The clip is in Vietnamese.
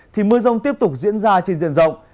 thì mưa rông tiếp tục diễn ra trên diện rộng